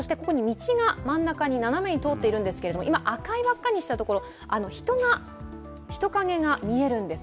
真ん中、斜めに道が通っているんですけど、今、赤い輪っかにしたところ、人影が見えるんです。